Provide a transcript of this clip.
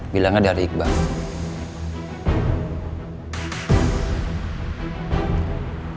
bilangnya dari iqbal